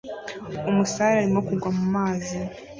Umusare arimo kugwa mumazi